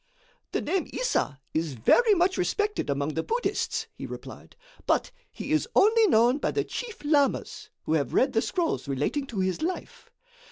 "The name Issa is very much respected among the Buddhists," he replied, "but he is only known by the chief lamas, who have read the scrolls relating to his life.